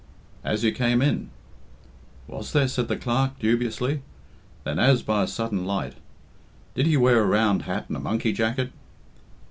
"As you came in." "Was there?" said the Clerk dubiously; then, as by a sudden light, "Did he wear a round hat and a monkey jacket?"